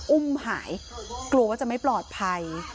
อุ้มหายกลัวว่าจะไม่ปลอดภัย